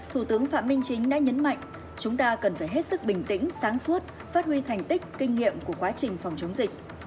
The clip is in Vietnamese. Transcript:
thủ tướng phạm minh chính đã nhấn mạnh chúng ta cần phải hết sức bình tĩnh sáng suốt phát huy thành tích kinh nghiệm của quá trình phòng chống dịch